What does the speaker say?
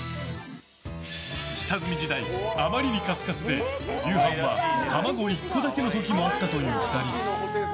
下積み時代、あまりにカツカツで夕飯は卵１個だけの時もあったという２人。